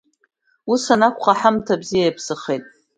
Ус анакәха, аҳамҭа бзиа иаԥсахеит.